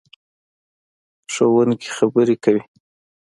ښوونکې خبرې کوي.